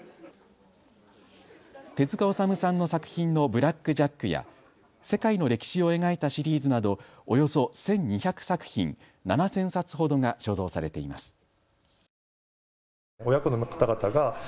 手塚治虫さんの作品のブラック・ジャックや世界の歴史を描いたシリーズなどおよそ１２００作品、７０００冊ほどが所蔵されています。